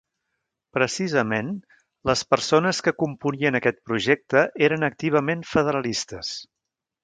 Precisament, les persones que componien aquest projecte eren activament federalistes.